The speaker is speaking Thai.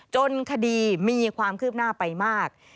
จนคดีมีความคืบหน้าไปมาก